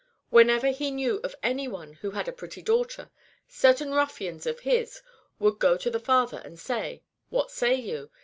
Whenever he knew of any one who had a pretty daughter, certain ruffians of his would go to the father, and say :'* What say you?